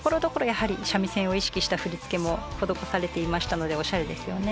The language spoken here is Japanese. やはり三味線を意識した振り付けも施されていましたのでオシャレですよね。